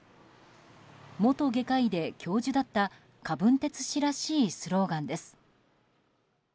元外科医で教授だったカ・ブンテツ氏らしいスローガンです。